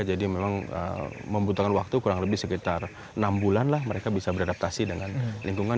jadi memang membutuhkan waktu kurang lebih sekitar enam bulan lah mereka bisa beradaptasi dengan lingkungan